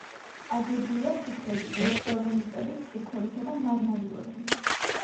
აგებულია ფიქლებით, დოლომიტებით, კირქვებითა და მარმარილოთი.